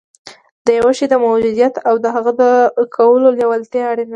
د یوه شي د موجودیت او د هغه د کولو لېوالتیا اړینه ده